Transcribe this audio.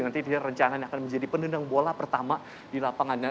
nanti dia rencana akan menjadi pendendang bola pertama di lapangannya